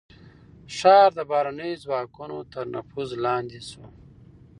ښار د بهرنيو ځواکونو تر نفوذ لاندې شو.